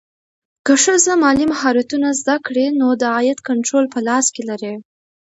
که ښځه مالي مهارتونه زده کړي، نو د عاید کنټرول په لاس کې لري.